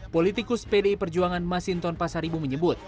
politikus pdi perjuangan masinton pasar ibu menyebut